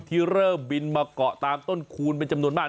ที่เริ่มบินมาเกาะตามต้นคูณเป็นจำนวนมาก